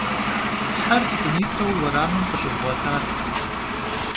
Her ts'ık'unit'eu vueramım khışızğuetat.